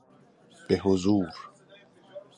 بحضور